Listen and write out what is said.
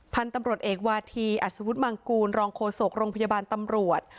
พันธุ์ตำรวจเอกวาธีอัศวุฒิมังกูลรองโฆษกโรงพยาบาลตำรวจ